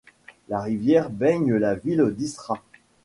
La rivière baigne la ville d'Istra.